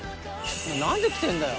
「何で来てんだよ？」